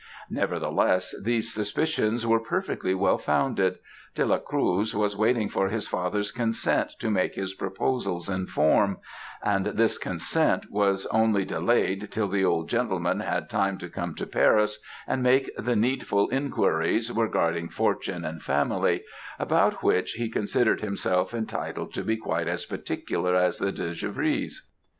"Nevertheless, these suspicions were perfectly well founded. De la Cruz was waiting for his father's consent to make his proposals in form; and this consent was only delayed till the old gentleman had time to come to Paris and make the needful inquiries regarding fortune and family; about which, he considered himself entitled to be quite as particular as the De Givry's.